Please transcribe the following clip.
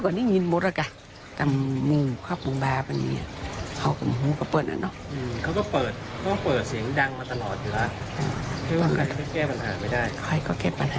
ใครก็แก้ปัญหาไม่ได้